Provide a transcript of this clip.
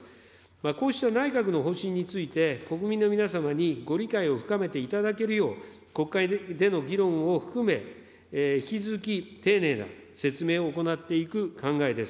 こうした内閣の方針について、国民の皆様にご理解を深めていただけるよう、国会での議論を含め、引き続き丁寧な説明を行っていく考えです。